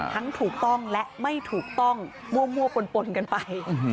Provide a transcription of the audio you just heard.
ถูกต้องและไม่ถูกต้องมั่วปนกันไป